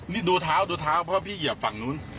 นี่ดูเท้าเพราะพี่เหยียบฝั่งนู้น